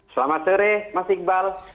selamat sore mas iqbal